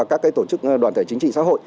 các tổ chức đoàn thể chính trị xã hội